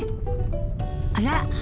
あら？